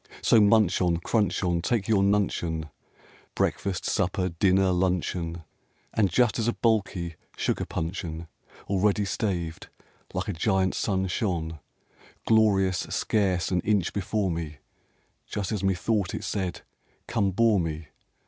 So munch on, crunch on, take your nuncheon, Breakfast, supper, dinner, luncheon!' And just as a bulky sugar puncheon, Already staved, like a great sun shone Glorious scarce an inch before me, J ust as methought it said, * Come, bore me